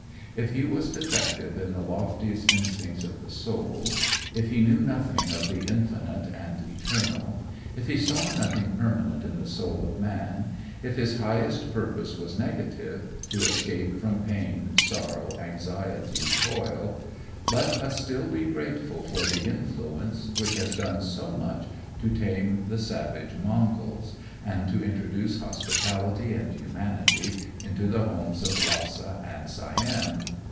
If he was defective in the loftiest instincts of the soul; if he knew nothing of the infinite and eternal; if he saw nothing permanent in the soul of man; if his highest purpose was negative, to escape from pain, sorrow, anxiety, toil, let us still be grateful for the influence which has done so much to tame the savage Mongols, and to introduce hospitality and humanity into the homes of Lassa and Siam.